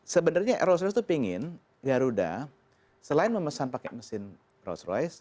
sebenarnya rose rous itu pingin garuda selain memesan pakai mesin rolls royce